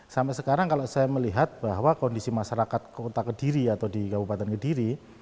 sampai sekarang kalau saya melihat bahwa kondisi masyarakat kota kediri atau di kabupaten kediri